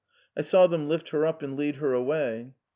I saw them lift her up and lead her away.